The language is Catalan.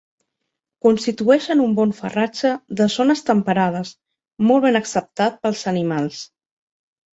Constitueixen un bon farratge de zones temperades molt ben acceptat pels animals.